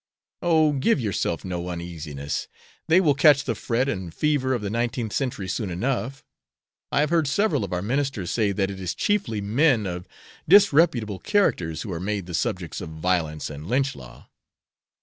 "Oh, give yourself no uneasiness. They will catch the fret and fever of the nineteenth century soon enough. I have heard several of our ministers say that it is chiefly men of disreputable characters who are made the subjects of violence and lynch law."